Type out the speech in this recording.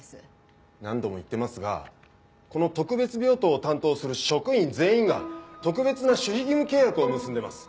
何度も言ってますがこの特別病棟を担当する職員全員が特別な守秘義務契約を結んでます。